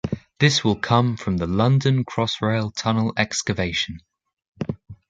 This will come from the London Crossrail tunnel excavation.